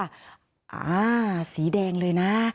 อ่าสีแดงเลยนะ